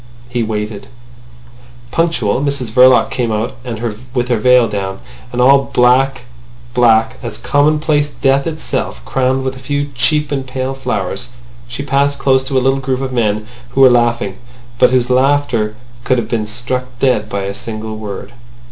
He waited. Punctual, Mrs Verloc came out, with her veil down, and all black—black as commonplace death itself, crowned with a few cheap and pale flowers. She passed close to a little group of men who were laughing, but whose laughter could have been struck dead by a single word.